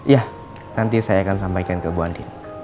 ya nanti saya akan sampaikan ke bu andi